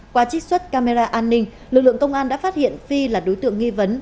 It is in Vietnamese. qua trích xuất camera an ninh lực lượng công an đã phát hiện phi là đối tượng nghi vấn